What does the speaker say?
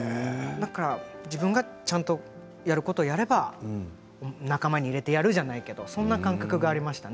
自分がちゃんとやることをやれば仲間に入れてやるじゃないけどそんな感覚がありましたね。